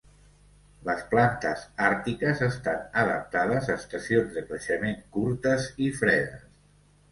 Les plantes àrtiques estan adaptades a estacions de creixement curtes i fredes.